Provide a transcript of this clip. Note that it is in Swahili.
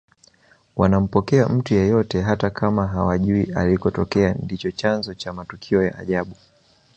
wanampokea mtu yeyote hata kama hawajui alikotokea ndicho chanzo cha matukio ya ajabu